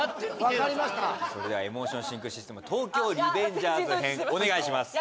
分かりましたそれではエモーションシンクシステム「東京卍リベンジャーズ」編お願いします